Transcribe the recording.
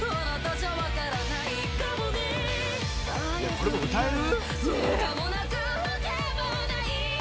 「これ歌える？」